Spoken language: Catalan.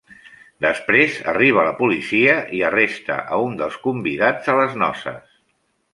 Després arriba la policia i arresta a un dels convidats a les noces.